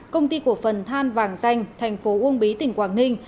công ty cổ phần than vàng danh thành phố uông bí tỉnh quảng ninh